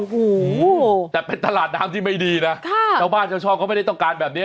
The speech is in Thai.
หูวแต่เป็นตลาดน้ำที่ไม่ดีนะค่ะจังหวัดจังชอบเขาไม่ได้ต้องการแบบนี้